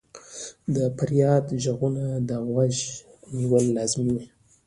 د فریاد ږغونو ته غوږ نیول لازمي وي.